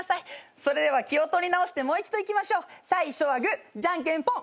それでは気を取り直してもう一度いきましょう最初はグーじゃんけんぽん。